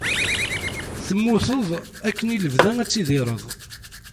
Temmuteḍ akken i lebda ad tidirireḍ.